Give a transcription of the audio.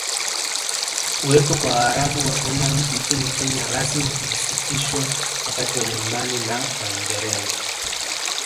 Kuwepo kwa Waarabu wa Omani nchini Kenya rasmi kulisitishwa wakati Wajerumani na Waingereza